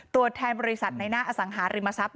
ตัวแทนบริษัทในหน้าอสังหาริมทรัพย